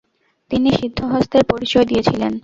তিনি সিদ্ধহস্তের পরিচয় দিয়েছিলেন।